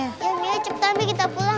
ya biar cepetan bi kita pulang